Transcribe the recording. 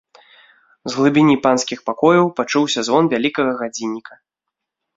З глыбіні панскіх пакояў пачуўся звон вялікага гадзінніка.